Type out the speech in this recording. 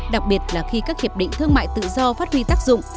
đặc biệt là khi các hiệp định thương mại tự do phát huy tác dụng